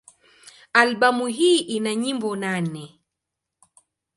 Albamu hii ina nyimbo nane.